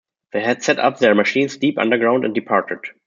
They had set up their machines deep underground, and departed.